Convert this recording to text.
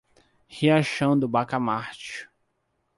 Riachão do Bacamarte